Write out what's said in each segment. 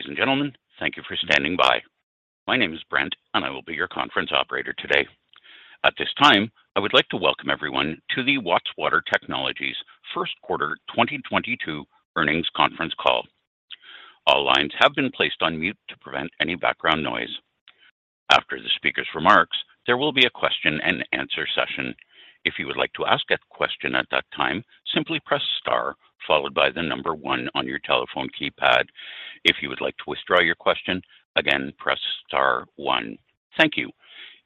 Ladies and gentlemen, thank you for standing by. My name is Brent, and I will be your conference operator today. At this time, I would like to welcome everyone to the Watts Water Technologies first quarter 2022 earnings conference call. All lines have been placed on mute to prevent any background noise. After the speaker's remarks, there will be a question-and-answer session. If you would like to ask a question at that time, simply press star followed by the number 1 on your telephone keypad. If you would like to withdraw your question, again, press star 1. Thank you.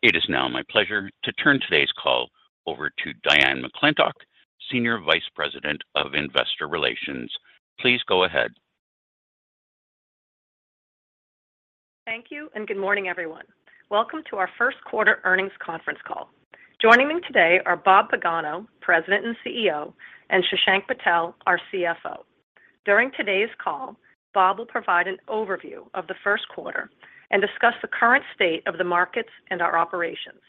It is now my pleasure to turn today's call over to Diane McClintock, Senior Vice President of Investor Relations. Please go ahead. Thank you and good morning, everyone. Welcome to our first quarter earnings conference call. Joining me today are Bob Pagano, President and CEO, and Shashank Patel, our CFO. During today's call, Bob will provide an overview of the first quarter and discuss the current state of the markets and our operations.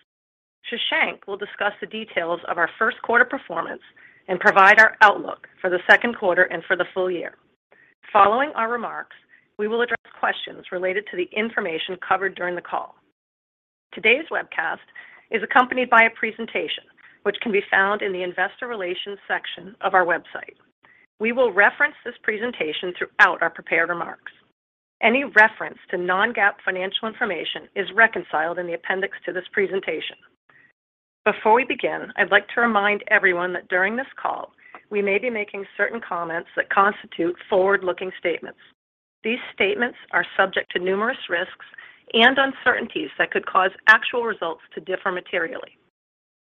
Shashank will discuss the details of our first quarter performance and provide our outlook for the second quarter and for the full year. Following our remarks, we will address questions related to the information covered during the call. Today's webcast is accompanied by a presentation which can be found in the investor relations section of our website. We will reference this presentation throughout our prepared remarks. Any reference to non-GAAP financial information is reconciled in the appendix to this presentation. Before we begin, I'd like to remind everyone that during this call, we may be making certain comments that constitute forward-looking statements. These statements are subject to numerous risks and uncertainties that could cause actual results to differ materially.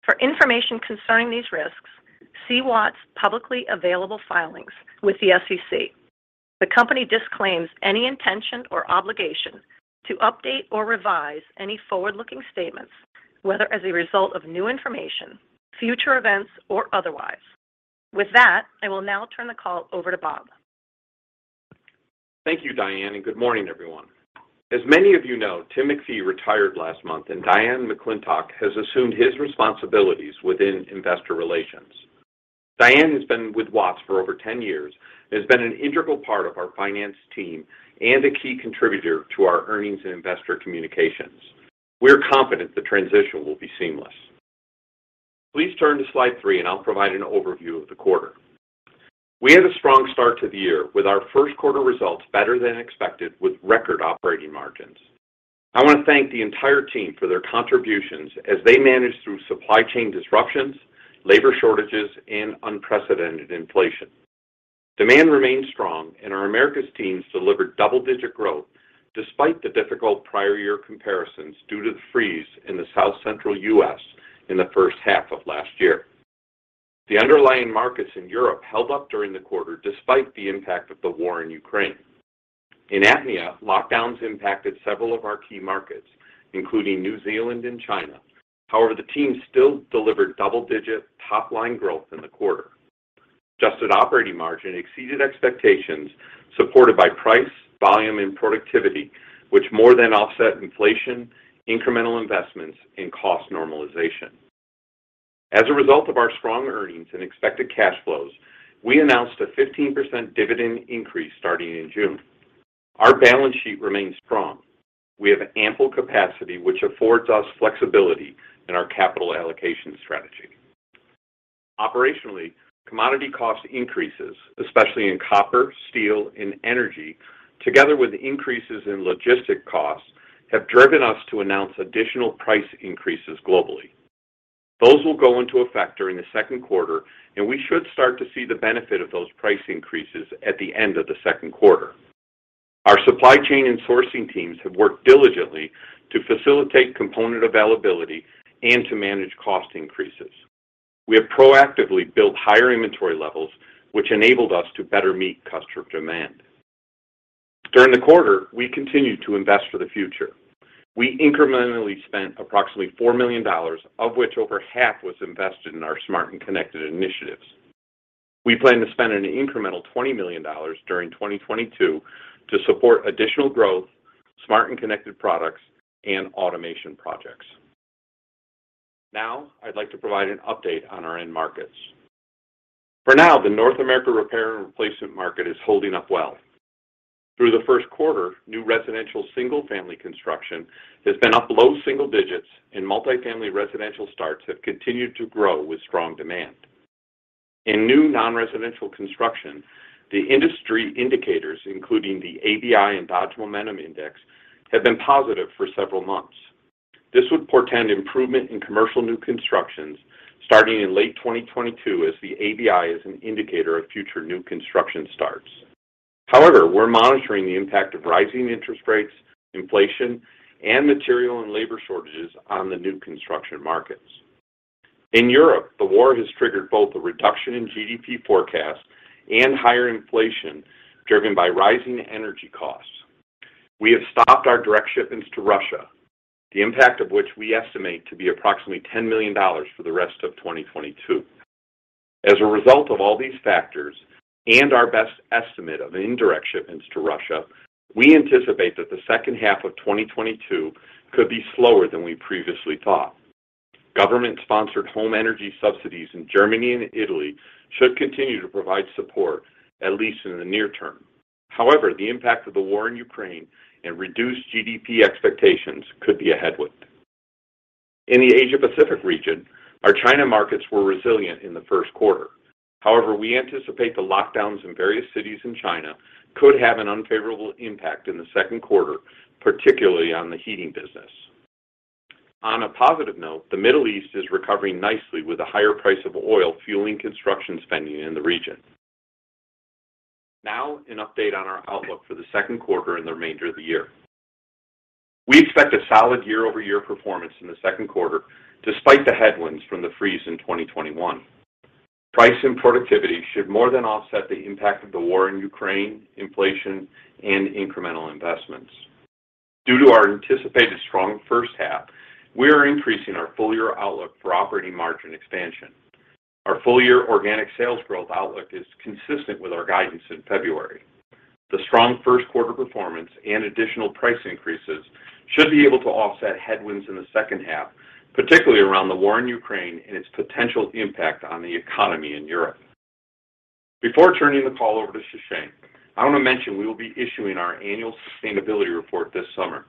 For information concerning these risks, see Watts' publicly available filings with the SEC. The company disclaims any intention or obligation to update or revise any forward-looking statements, whether as a result of new information, future events, or otherwise. With that, I will now turn the call over to Bob. Thank you, Diane, and good morning, everyone. As many of you know, Tim McFeeley retired last month, and Diane McClintock has assumed his responsibilities within investor relations. Diane has been with Watts for over 10 years and has been an integral part of our finance team and a key contributor to our earnings and investor communications. We're confident the transition will be seamless. Please turn to slide three, and I'll provide an overview of the quarter. We had a strong start to the year with our first quarter results better than expected with record operating margins. I want to thank the entire team for their contributions as they managed through supply chain disruptions, labor shortages, and unprecedented inflation. Demand remained strong, and our Americas teams delivered double-digit growth despite the difficult prior year comparisons due to the freeze in the South Central U.S. in the first half of last year. The underlying markets in Europe held up during the quarter despite the impact of the war in Ukraine. In APMEA, lockdowns impacted several of our key markets, including New Zealand and China. However, the team still delivered double-digit top-line growth in the quarter. Adjusted operating margin exceeded expectations supported by price, volume, and productivity, which more than offset inflation, incremental investments, and cost normalization. As a result of our strong earnings and expected cash flows, we announced a 15% dividend increase starting in June. Our balance sheet remains strong. We have ample capacity, which affords us flexibility in our capital allocation strategy. Operationally, commodity cost increases, especially in copper, steel, and energy, together with increases in logistic costs, have driven us to announce additional price increases globally. Those will go into effect during the second quarter, and we should start to see the benefit of those price increases at the end of the second quarter. Our supply chain and sourcing teams have worked diligently to facilitate component availability and to manage cost increases. We have proactively built higher inventory levels, which enabled us to better meet customer demand. During the quarter, we continued to invest for the future. We incrementally spent approximately $4 million, of which over half was invested in our smart and connected initiatives. We plan to spend an incremental $20 million during 2022 to support additional growth, smart and connected products, and automation projects. Now, I'd like to provide an update on our end markets. For now, the North America repair and replacement market is holding up well. Through the first quarter, new residential single-family construction has been up low single digits, and multifamily residential starts have continued to grow with strong demand. In new non-residential construction, the industry indicators, including the ABI and Dodge Momentum Index, have been positive for several months. This would portend improvement in commercial new constructions starting in late 2022 as the ABI is an indicator of future new construction starts. However, we're monitoring the impact of rising interest rates, inflation, and material and labor shortages on the new construction markets. In Europe, the war has triggered both a reduction in GDP forecast and higher inflation driven by rising energy costs. We have stopped our direct shipments to Russia, the impact of which we estimate to be approximately $10 million for the rest of 2022. As a result of all these factors and our best estimate of indirect shipments to Russia, we anticipate that the second half of 2022 could be slower than we previously thought. Government-sponsored home energy subsidies in Germany and Italy should continue to provide support, at least in the near term. However, the impact of the war in Ukraine and reduced GDP expectations could be a headwind. In the Asia-Pacific region, our China markets were resilient in the first quarter. However, we anticipate the lockdowns in various cities in China could have an unfavorable impact in the second quarter, particularly on the heating business. On a positive note, the Middle East is recovering nicely with a higher price of oil, fueling construction spending in the region. Now, an update on our outlook for the second quarter and the remainder of the year. We expect a solid year-over-year performance in the second quarter, despite the headwinds from the freeze in 2021. Price and productivity should more than offset the impact of the war in Ukraine, inflation, and incremental investments. Due to our anticipated strong first half, we are increasing our full-year outlook for operating margin expansion. Our full-year organic sales growth outlook is consistent with our guidance in February. The strong first quarter performance and additional price increases should be able to offset headwinds in the second half, particularly around the war in Ukraine and its potential impact on the economy in Europe. Before turning the call over to Shashank, I wanna mention we will be issuing our annual sustainability report this summer.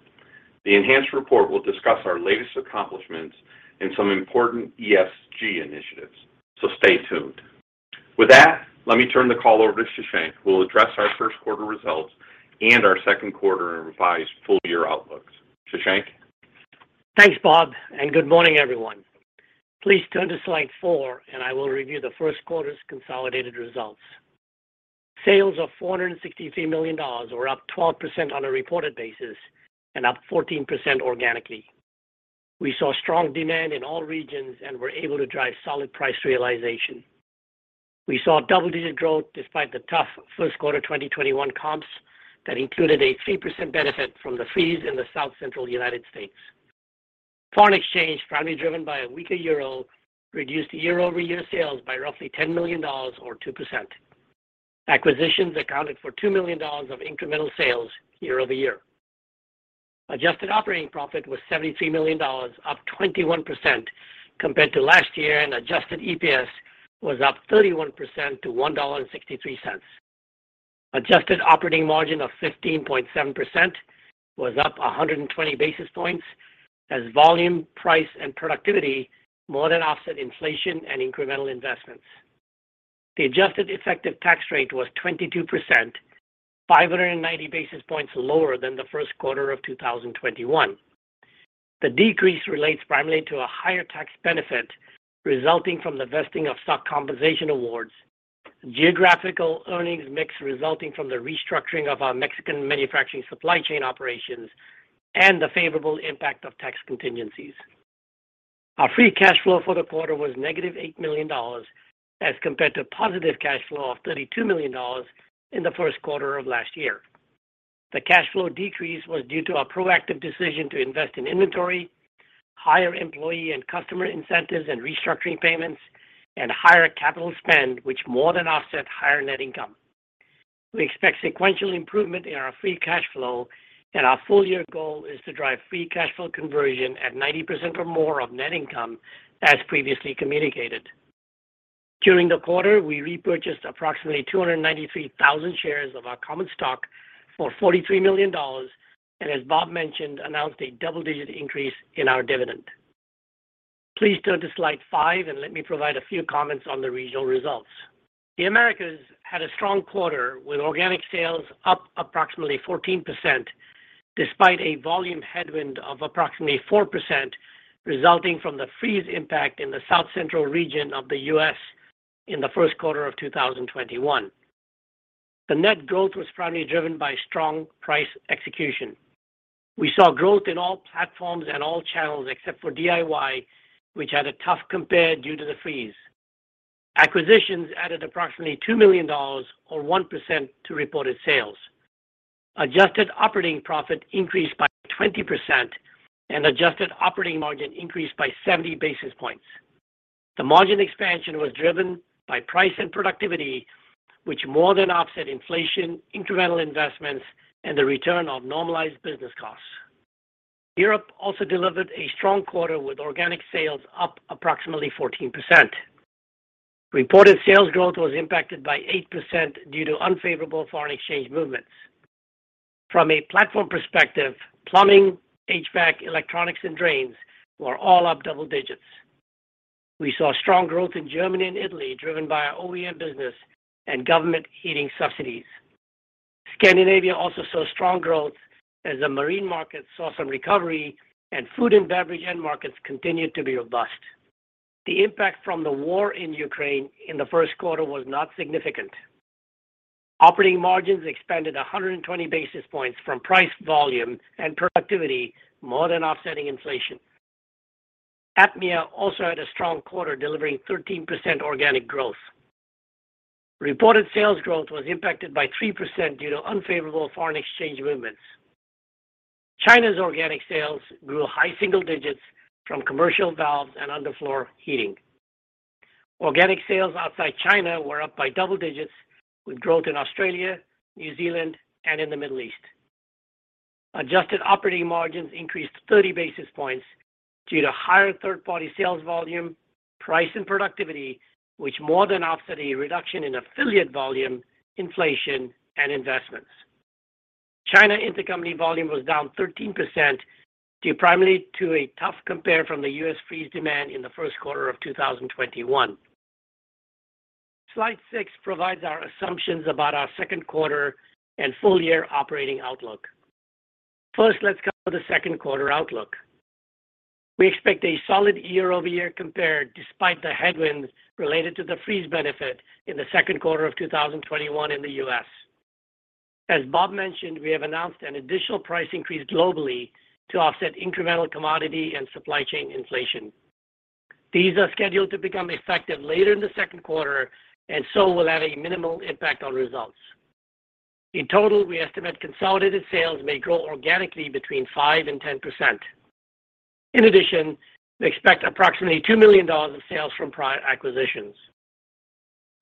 The enhanced report will discuss our latest accomplishments and some important ESG initiatives. Stay tuned. With that, let me turn the call over to Shashank, who will address our first quarter results and our second quarter revised full-year outlooks. Shashank. Thanks, Bob, and good morning, everyone. Please turn to slide four, and I will review the first quarter's consolidated results. Sales of $463 million were up 12% on a reported basis and up 14% organically. We saw strong demand in all regions and were able to drive solid price realization. We saw double-digit growth despite the tough first quarter 2021 comps that included a 3% benefit from the freeze in the South Central United States. Foreign exchange, primarily driven by a weaker euro, reduced year-over-year sales by roughly $10 million or 2%. Acquisitions accounted for $2 million of incremental sales year over year. Adjusted operating profit was $73 million, up 21% compared to last year, and adjusted EPS was up 31% to $1.63. Adjusted operating margin of 15.7% was up 120 basis points as volume, price, and productivity more than offset inflation and incremental investments. The adjusted effective tax rate was 22%, 590 basis points lower than the first quarter of 2021. The decrease relates primarily to a higher tax benefit resulting from the vesting of stock compensation awards, geographical earnings mix resulting from the restructuring of our Mexican manufacturing supply chain operations, and the favorable impact of tax contingencies. Our free cash flow for the quarter was -$8 million as compared to positive cash flow of $32 million in the first quarter of last year. The cash flow decrease was due to a proactive decision to invest in inventory, higher employee and customer incentives and restructuring payments, and higher capital spend, which more than offset higher net income. We expect sequential improvement in our free cash flow, and our full-year goal is to drive free cash flow conversion at 90% or more of net income as previously communicated. During the quarter, we repurchased approximately 293,000 shares of our common stock for $43 million, and as Bob mentioned, announced a double-digit increase in our dividend. Please turn to slide five, and let me provide a few comments on the regional results. The Americas had a strong quarter with organic sales up approximately 14%, despite a volume headwind of approximately 4% resulting from the freeze impact in the South Central region of the U.S. in the first quarter of 2021. The net growth was primarily driven by strong price execution. We saw growth in all platforms and all channels except for DIY, which had a tough compare due to the freeze. Acquisitions added approximately $2 million or 1% to reported sales. Adjusted operating profit increased by 20% and adjusted operating margin increased by 70 basis points. The margin expansion was driven by price and productivity, which more than offset inflation, incremental investments, and the return of normalized business costs. Europe also delivered a strong quarter with organic sales up approximately 14%. Reported sales growth was impacted by 8% due to unfavorable foreign exchange movements. From a platform perspective, plumbing, HVAC, electronics, and drains were all up double digits. We saw strong growth in Germany and Italy, driven by our OEM business and government heating subsidies. Scandinavia also saw strong growth as the marine market saw some recovery and food and beverage end markets continued to be robust. The impact from the war in Ukraine in the first quarter was not significant. Operating margins expanded 120 basis points from price, volume, and productivity more than offsetting inflation. APMEA also had a strong quarter, delivering 13% organic growth. Reported sales growth was impacted by 3% due to unfavorable foreign exchange movements. China's organic sales grew high single digits from commercial valves and underfloor heating. Organic sales outside China were up by double digits with growth in Australia, New Zealand, and in the Middle East. Adjusted operating margins increased 30 basis points due to higher third-party sales volume, price, and productivity, which more than offset a reduction in affiliate volume, inflation, and investments. China intercompany volume was down 13% due primarily to a tough compare from the U.S. freeze demand in the first quarter of 2021. Slide six provides our assumptions about our second quarter and full year operating outlook. First, let's cover the second quarter outlook. We expect a solid year-over-year compare despite the headwinds related to the freeze benefit in the second quarter of 2021 in the U.S. As Bob mentioned, we have announced an additional price increase globally to offset incremental commodity and supply chain inflation. These are scheduled to become effective later in the second quarter and so will have a minimal impact on results. In total, we estimate consolidated sales may grow organically between 5% and 10%. In addition, we expect approximately $2 million in sales from prior acquisitions.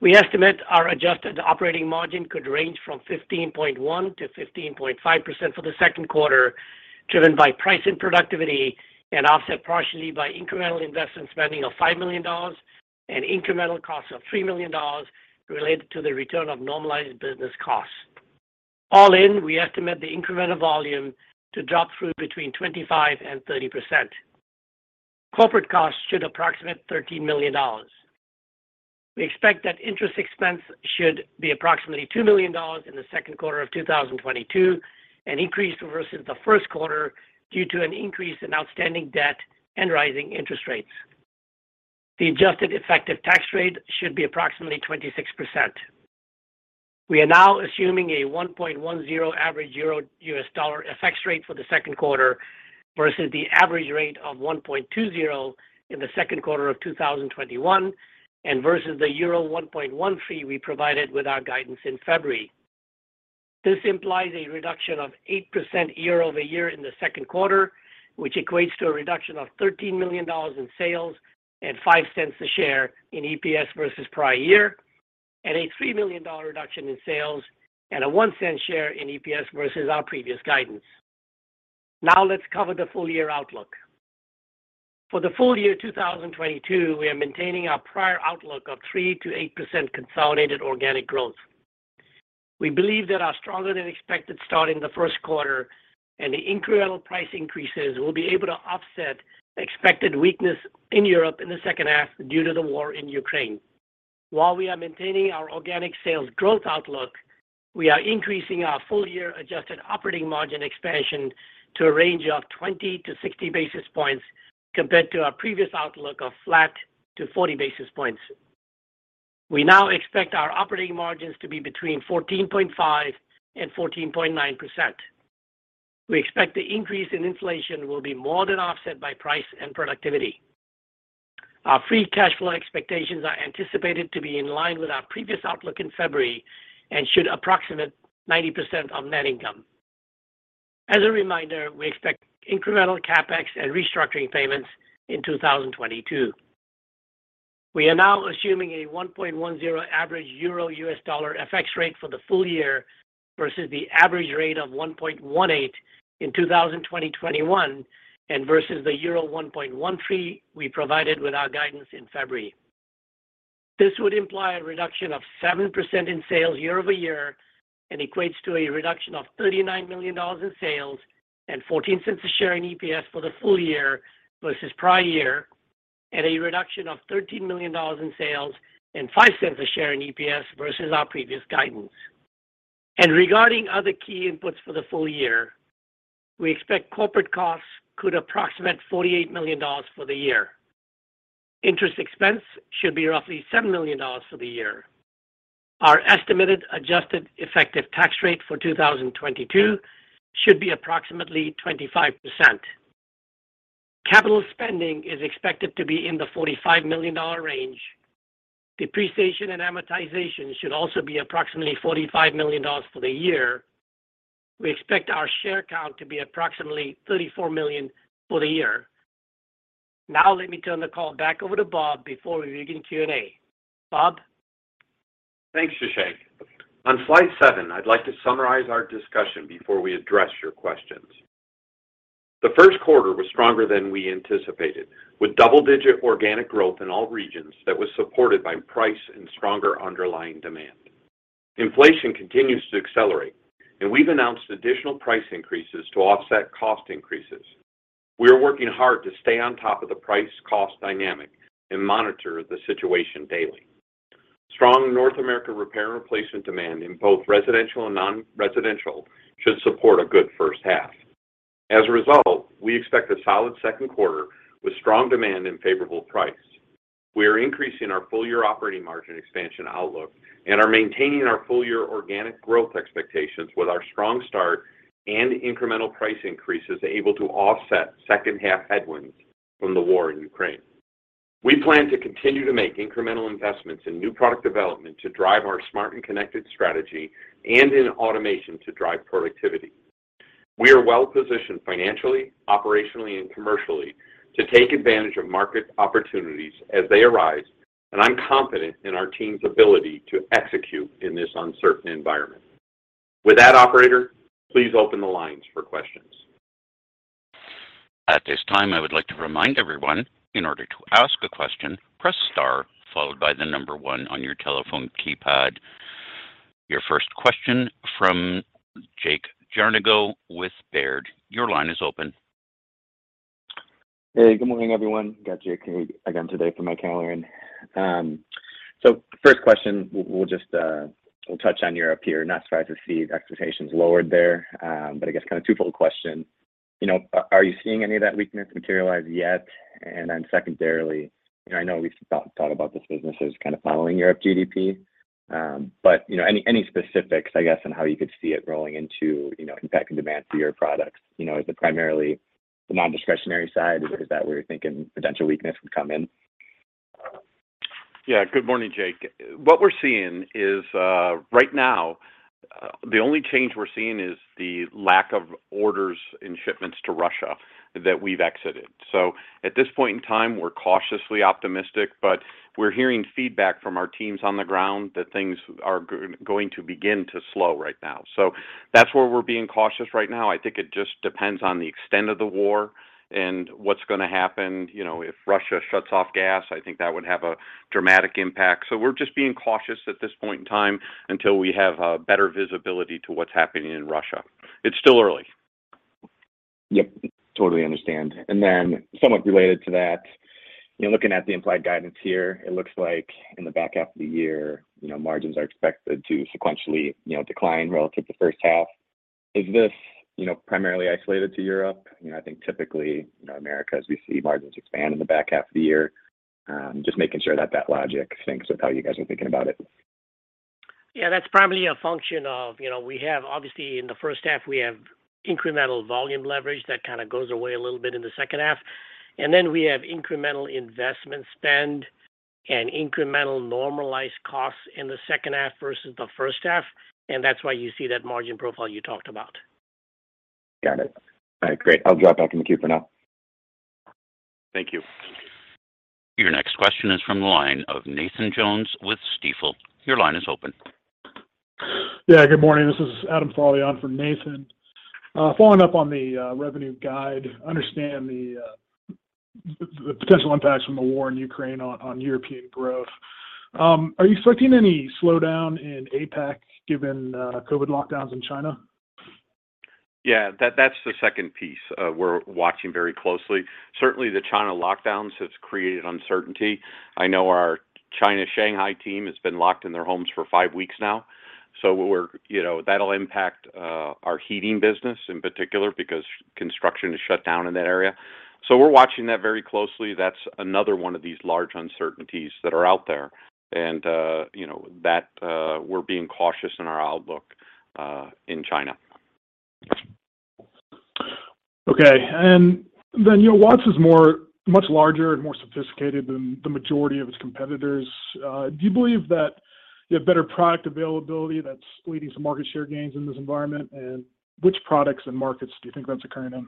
We estimate our adjusted operating margin could range from 15.1%-15.5% for the second quarter, driven by price and productivity, and offset partially by incremental investment spending of $5 million and incremental costs of $3 million related to the return of normalized business costs. All in, we estimate the incremental volume to drop through between 25% and 30%. Corporate costs should approximate $13 million. We expect that interest expense should be approximately $2 million in the second quarter of 2022, an increase versus the first quarter due to an increase in outstanding debt and rising interest rates. The adjusted effective tax rate should be approximately 26%. We are now assuming a 1.10 average Euro US dollar FX rate for the second quarter versus the average rate of 1.20 in the second quarter of 2021 and versus the Euro 1.13 we provided with our guidance in February. This implies a reduction of 8% year-over-year in the second quarter, which equates to a reduction of $13 million in sales and $0.05 a share in EPS versus prior year, and a $3 million reduction in sales and $0.01 a share in EPS versus our previous guidance. Now let's cover the full year outlook. For the full year 2022, we are maintaining our prior outlook of 3%-8% consolidated organic growth. We believe that our stronger than expected start in the first quarter and the incremental price increases will be able to offset expected weakness in Europe in the second half due to the war in Ukraine. While we are maintaining our organic sales growth outlook, we are increasing our full year adjusted operating margin expansion to a range of 20-60 basis points compared to our previous outlook of flat to 40 basis points. We now expect our operating margins to be between 14.5% and 14.9%. We expect the increase in inflation will be more than offset by price and productivity. Our free cash flow expectations are anticipated to be in line with our previous outlook in February and should approximate 90% of net income. As a reminder, we expect incremental CapEx and restructuring payments in 2022. We are now assuming a 1.10 average EUR/USD FX rate for the full year versus the average rate of 1.18 in 2021 and versus the euro 1.13 we provided with our guidance in February. This would imply a reduction of 7% in sales year-over-year and equates to a reduction of $39 million in sales and $0.14 per share in EPS for the full year versus prior year, and a reduction of $13 million in sales and $0.05 per share in EPS versus our previous guidance. Regarding other key inputs for the full year, we expect corporate costs could approximate $48 million for the year. Interest expense should be roughly $7 million for the year. Our estimated adjusted effective tax rate for 2022 should be approximately 25%. Capital spending is expected to be in the $45 million range. Depreciation and amortization should also be approximately $45 million for the year. We expect our share count to be approximately 34 million for the year. Now let me turn the call back over to Bob before we begin Q&A. Bob? Thanks, Shashank. On slide seven, I'd like to summarize our discussion before we address your questions. The first quarter was stronger than we anticipated, with double-digit organic growth in all regions that was supported by price and stronger underlying demand. Inflation continues to accelerate, and we've announced additional price increases to offset cost increases. We are working hard to stay on top of the price cost dynamic and monitor the situation daily. Strong North America repair and replacement demand in both residential and non-residential should support a good first half. As a result, we expect a solid second quarter with strong demand and favorable price. We are increasing our full-year operating margin expansion outlook and are maintaining our full-year organic growth expectations with our strong start and incremental price increases able to offset second-half headwinds from the war in Ukraine. We plan to continue to make incremental investments in new product development to drive our smart and connected strategy and in automation to drive productivity. We are well-positioned financially, operationally, and commercially to take advantage of market opportunities as they arise. I'm confident in our team's ability to execute in this uncertain environment. With that, operator, please open the lines for questions. At this time, I would like to remind everyone, in order to ask a question, press star followed by the number one on your telephone keypad. Your first question from Jake Jarnigo with Baird. Your line is open. Hey, good morning, everyone. Got Jake again today from Baird. So first question, we'll just touch on Europe here. Not surprised to see expectations lowered there, but I guess kind of twofold question. You know, are you seeing any of that weakness materialize yet? And then secondarily, you know, I know we've thought about this business as kind of following Europe GDP, but you know, any specifics, I guess, on how you could see it rolling into, you know, impacting demand for your products. You know, is it primarily the non-discretionary side? Is that where you're thinking potential weakness would come in? Yeah. Good morning, Jake. What we're seeing is, right now, the only change we're seeing is the lack of orders and shipments to Russia that we've exited. At this point in time, we're cautiously optimistic, but we're hearing feedback from our teams on the ground that things are going to begin to slow right now. That's where we're being cautious right now. I think it just depends on the extent of the war and what's gonna happen. You know, if Russia shuts off gas, I think that would have a dramatic impact. We're just being cautious at this point in time until we have better visibility to what's happening in Russia. It's still early. Yep. Totally understand. Then somewhat related to that, you know, looking at the implied guidance here, it looks like in the back half of the year, you know, margins are expected to sequentially, you know, decline relative to first half. Is this, you know, primarily isolated to Europe? You know, I think typically, you know, America, as we see margins expand in the back half of the year, just making sure that that logic syncs with how you guys are thinking about it. Yeah. That's primarily a function of, you know, we have obviously in the first half, we have incremental volume leverage that kind of goes away a little bit in the second half, and then we have incremental investment spend and incremental normalized costs in the second half versus the first half, and that's why you see that margin profile you talked about. Got it. All right. Great. I'll drop out from the queue for now. Thank you. Your next question is from the line of Nathan Jones with Stifel. Your line is open. Yeah. Good morning. This is Adam Farley on for Nathan. Following up on the revenue guide, understand the potential impacts from the war in Ukraine on European growth. Are you expecting any slowdown in APAC given COVID lockdowns in China? Yeah. That's the second piece we're watching very closely. Certainly, the China lockdowns has created uncertainty. I know our China Shanghai team has been locked in their homes for five weeks now. You know, that'll impact our heating business in particular because construction is shut down in that area. We're watching that very closely. That's another one of these large uncertainties that are out there and, you know, that we're being cautious in our outlook in China. Okay. You know, Watts is more much larger and more sophisticated than the majority of its competitors. Do you believe that you have better product availability that's leading to market share gains in this environment? Which products and markets do you think that's occurring in?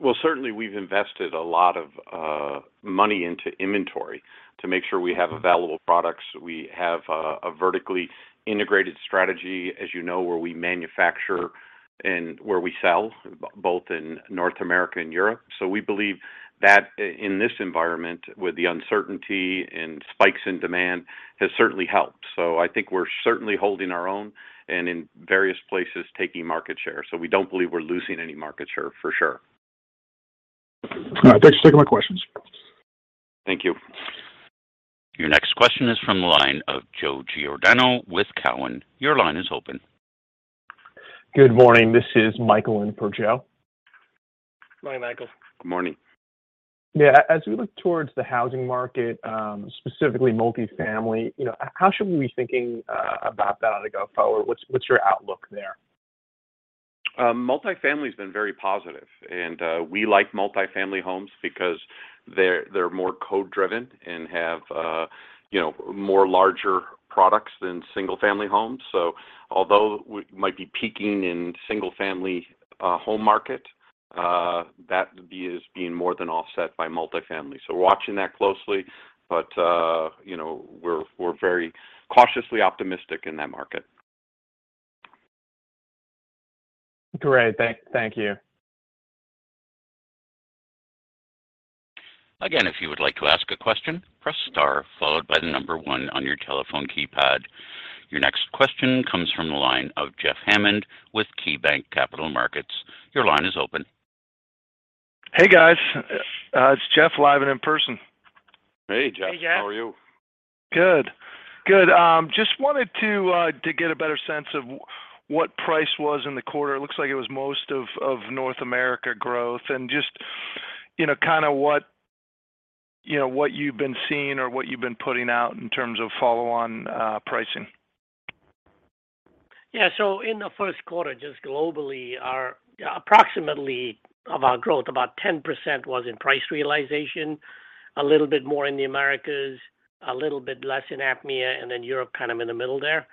Well, certainly we've invested a lot of money into inventory to make sure we have available products. We have a vertically integrated strategy, as you know, where we manufacture and where we sell both in North America and Europe. We believe that in this environment with the uncertainty and spikes in demand has certainly helped. I think we're certainly holding our own and in various places, taking market share. We don't believe we're losing any market share for sure. All right. Thanks for taking my questions. Thank you. Your next question is from the line of Joseph Giordano with Cowen. Your line is open. Good morning. This is Michael in for Joe. Morning, Michael. Good morning. Yeah. As we look towards the housing market, specifically multifamily, you know, how should we be thinking about that going forward? What's your outlook there? Multifamily has been very positive and, we like multifamily homes because they're more code driven and have, you know, more larger products than single family homes. Although we might be peaking in single family home market, that is being more than offset by multifamily. We're watching that closely, but, you know, we're very cautiously optimistic in that market. Great. Thank you. Again, if you would like to ask a question, press star followed by the number one on your telephone keypad. Your next question comes from the line of Jeffrey Hammond with KeyBanc Capital Markets. Your line is open. Hey, guys. It's Jeff live and in person. Hey, Jeff. Hey, Jeff. How are you? Good. Just wanted to get a better sense of what price was in the quarter. It looks like it was most of North America growth and just, you know, kinda what you've been seeing or what you've been putting out in terms of follow-on pricing. In the first quarter, just globally, approximately 10% of our growth was in price realization, a little bit more in the Americas. A little bit less in APMEA, and then Europe kind of in the middle there.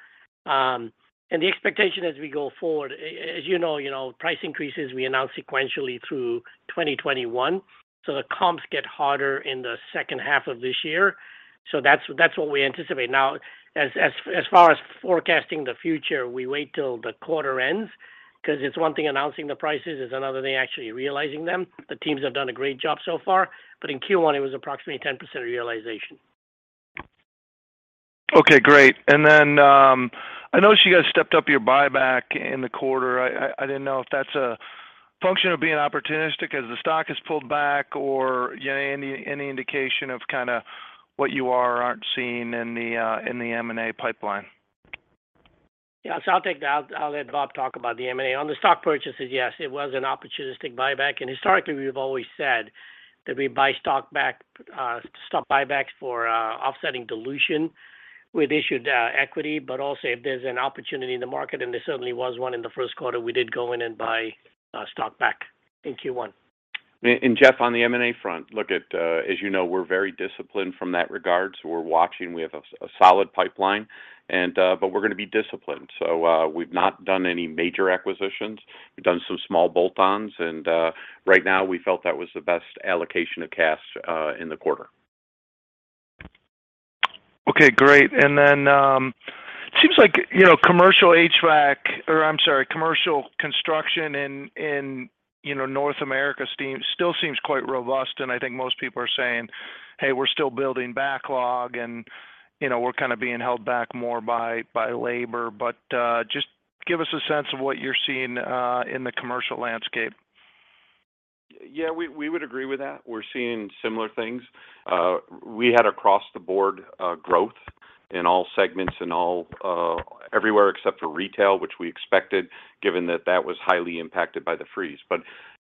The expectation as we go forward, as you know, price increases we announce sequentially through 2021, so the comps get harder in the second half of this year. That's what we anticipate. Now, as far as forecasting the future, we wait till the quarter ends, 'cause it's one thing announcing the prices, it's another thing actually realizing them. The teams have done a great job so far, but in Q1 it was approximately 10% realization. Okay, great. I noticed you guys stepped up your buyback in the quarter. I didn't know if that's a function of being opportunistic as the stock has pulled back, or, you know, any indication of kinda what you are or aren't seeing in the M&A pipeline. I'll take that. I'll let Bob talk about the M&A. On the stock purchases, yes, it was an opportunistic buyback. Historically we've always said that we buy stock back, stock buybacks for offsetting dilution with issued equity. Also if there's an opportunity in the market, and there certainly was one in the first quarter, we did go in and buy stock back in Q1. Jeff, on the M&A front, as you know, we're very disciplined in that regard, so we're watching. We have a solid pipeline, but we're gonna be disciplined. We've not done any major acquisitions. We've done some small bolt-ons and, right now we felt that was the best allocation of cash, in the quarter. Okay, great. Seems like, you know, commercial HVAC, or I'm sorry, commercial construction in, you know, North America seems quite robust. I think most people are saying, "Hey, we're still building backlog, and, you know, we're kind of being held back more by labor." Just give us a sense of what you're seeing in the commercial landscape. Yeah, we would agree with that. We're seeing similar things. We had across the board growth in all segments, in all everywhere except for retail, which we expected given that that was highly impacted by the freeze.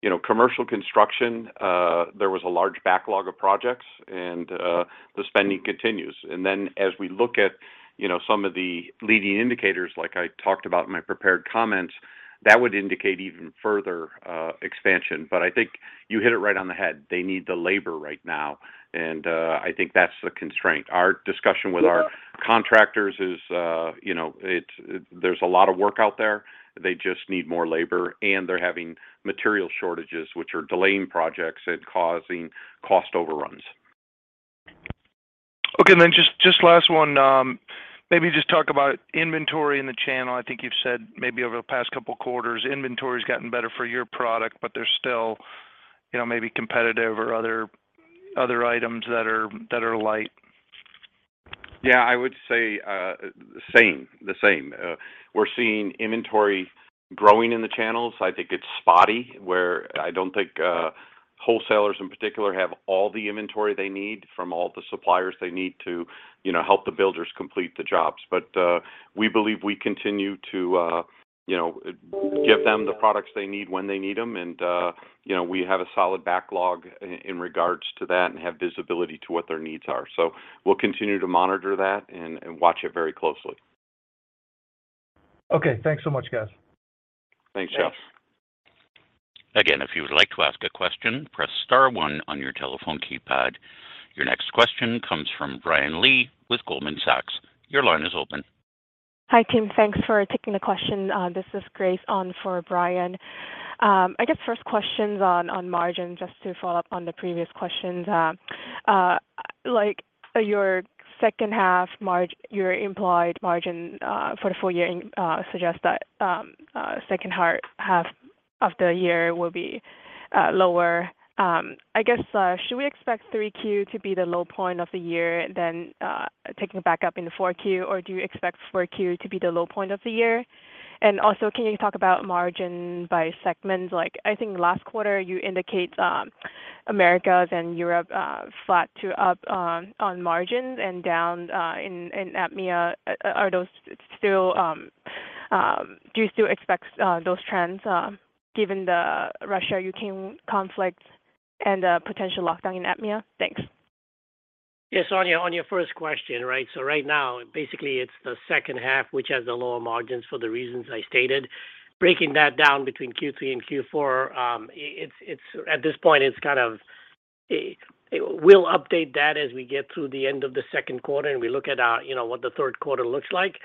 You know, commercial construction, there was a large backlog of projects and the spending continues. Then as we look at you know some of the leading indicators like I talked about in my prepared comments, that would indicate even further expansion. I think you hit it right on the head. They need the labor right now, and I think that's the constraint. Our discussion with our contractors is you know there's a lot of work out there. They just need more labor, and they're having material shortages, which are delaying projects and causing cost overruns. Okay, just last one. Maybe just talk about inventory in the channel. I think you've said maybe over the past couple quarters, inventory's gotten better for your product, but there's still, you know, maybe competitive or other items that are light. Yeah, I would say the same. We're seeing inventory growing in the channels. I think it's spotty, where I don't think wholesalers in particular have all the inventory they need from all the suppliers they need to, you know, help the builders complete the jobs. But we believe we continue to, you know, give them the products they need when they need them. You know, we have a solid backlog in regards to that and have visibility to what their needs are. We'll continue to monitor that and watch it very closely. Okay. Thanks so much, guys. Thanks, Jeff. Thanks. Again, if you would like to ask a question, press star one on your telephone keypad. Your next question comes from Brian Lee with Goldman Sachs. Your line is open. Hi, team. Thanks for taking the question. This is Grace on for Brian. I guess first question on margins, just to follow up on the previous questions. Like your second half margin, your implied margin for the full year suggests that second half of the year will be lower. I guess, should we expect 3Q to be the low point of the year, then taking it back up in the 4Q? Or do you expect 4Q to be the low point of the year? Also, can you talk about margin by segments? Like, I think last quarter you indicate Americas and Europe flat to up on margins and down in APMEA. Are those still, do you still expect those trends, given the Russia-Ukraine conflict and the potential lockdown in APMEA? Thanks. Yes, on your first question, right? Right now, basically it's the second half which has the lower margins for the reasons I stated. Breaking that down between Q3 and Q4, it's at this point, it's kind of. We'll update that as we get through the end of the second quarter and we look at our, you know, what the third quarter looks like.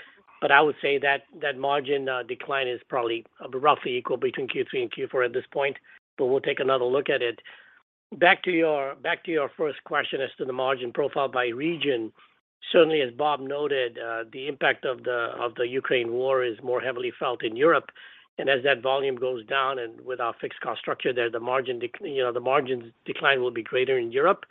I would say that margin decline is probably roughly equal between Q3 and Q4 at this point, but we'll take another look at it. Back to your first question as to the margin profile by region. Certainly, as Bob noted, the impact of the Ukraine war is more heavily felt in Europe. As that volume goes down and with our fixed cost structure there, the margin dec- you know, the margins decline will be greater in Europe.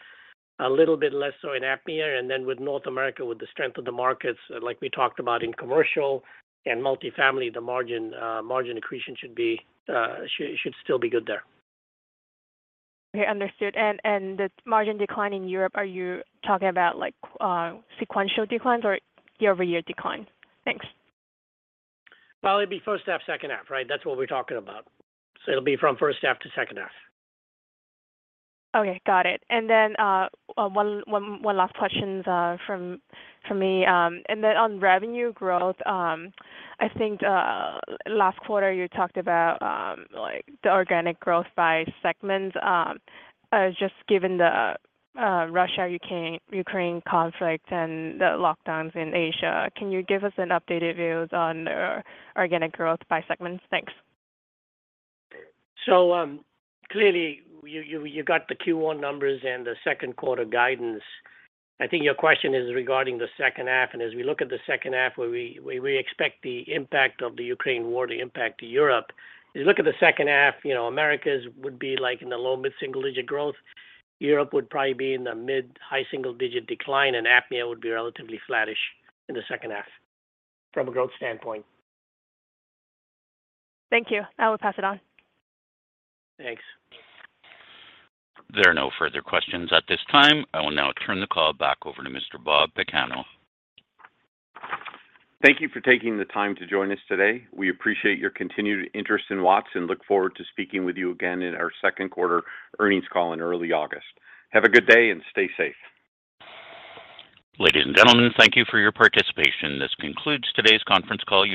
A little bit less so in APMEA. With North America, with the strength of the markets, like we talked about in commercial and multifamily, the margin accretion should still be good there. Okay. Understood. The margin decline in Europe, are you talking about like, sequential declines or year-over-year decline? Thanks. Well, it'd be first half, second half, right? That's what we're talking about. It'll be from first half to second half. Okay. Got it. One last question from me. On revenue growth, I think last quarter you talked about like the organic growth by segments. Just given the Russia-Ukraine conflict and the lockdowns in Asia, can you give us an updated views on organic growth by segments? Thanks. Clearly you got the Q1 numbers and the second quarter guidance. I think your question is regarding the second half. As we look at the second half, where we expect the impact of the Ukraine war to impact Europe. If you look at the second half, you know, Americas would be like in the low- to mid-single-digit growth. Europe would probably be in the mid- to high-single-digit decline, and APMEA would be relatively flattish in the second half from a growth standpoint. Thank you. I will pass it on. Thanks. There are no further questions at this time. I will now turn the call back over to Mr. Robert Pagano. Thank you for taking the time to join us today. We appreciate your continued interest in Watts and look forward to speaking with you again in our second quarter earnings call in early August. Have a good day and stay safe. Ladies and gentlemen, thank you for your participation. This concludes today's conference call.